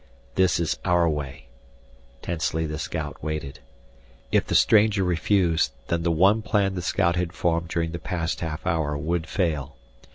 "This is our way." Tensely the scout waited. If the stranger refused, then the one plan the scout had formed during the past half hour would fail.